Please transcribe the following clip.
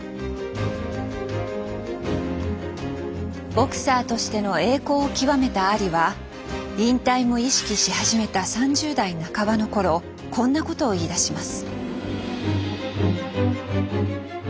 ボクサーとしての栄光を極めたアリは引退も意識し始めた３０代半ばの頃こんなことを言いだします。